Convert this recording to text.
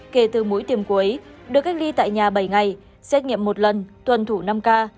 kể từ mũi tiêm cuối được cách ly tại nhà bảy ngày xét nghiệm một lần tuân thủ năm k